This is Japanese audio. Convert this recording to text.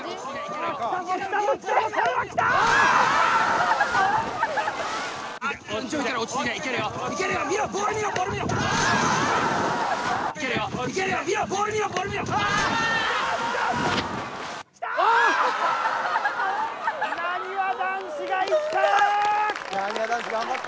なにわ男子がいった！